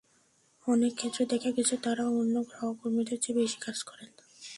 অনেক ক্ষেত্রে দেখা গেছে, তাঁরা অন্য সহকর্মীদের চেয়ে বেশি কাজ করেন।